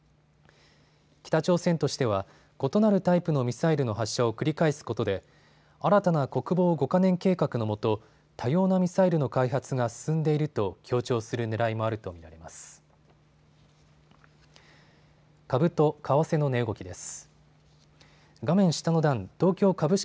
北朝鮮としては、異なるタイプのミサイルの発射を繰り返すことで新たな国防５か年計画のもと多様なミサイルの開発が進んでいると強調するねらいもあると見られます。